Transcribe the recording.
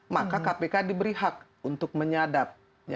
maka kpk diberi hak untuk menyadap